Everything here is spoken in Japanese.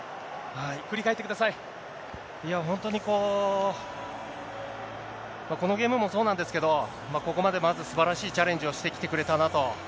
本当にこう、このゲームもそうなんですけど、ここまでまずすばらしいチャレンジをしてきてくれたなと。